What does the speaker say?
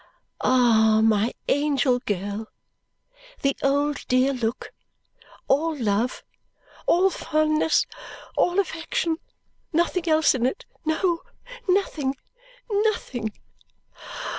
Ah, my angel girl! The old dear look, all love, all fondness, all affection. Nothing else in it no, nothing, nothing!